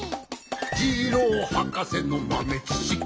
「ジローはかせのまめちしき」